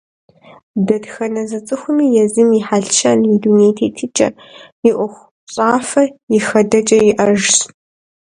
Дэтхэнэ зы цӏыхуми езым и хьэлщэн, и дуней тетыкӏэ, и ӏуэхущӏафэ, и хэдэкӏэ иӏэжщ.